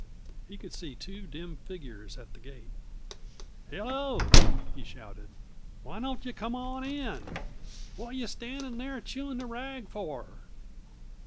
He could see two dim figures at the gate. "Hello!" he shouted. "Why don't yuh come on in? What yuh standing there chewing the rag for?"